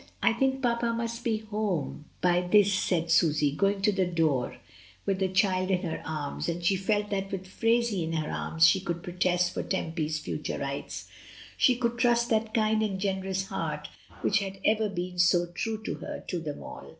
"I think papa must be home by this," said Susy^ going to the door with the child in her arms; and she felt that with Phraisie in her arms she ootild protest for Tempy's future rights. She could trust that kind and generous heart which had ever been so true to her, to them all.